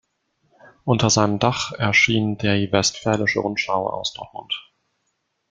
Unter seinem Dach erschien die Westfälische Rundschau aus Dortmund.